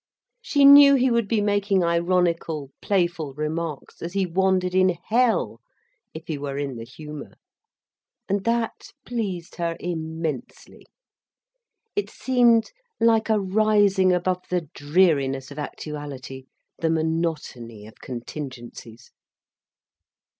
She knew he would be making ironical, playful remarks as he wandered in hell—if he were in the humour. And that pleased her immensely. It seemed like a rising above the dreariness of actuality, the monotony of contingencies.